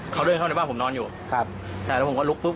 เค้าเดินเข้าในบ้างผมนอนอยู่